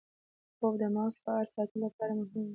خوب د مغز فعال ساتلو لپاره مهم دی